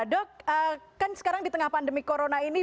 dok kan sekarang di tengah pandemi corona ini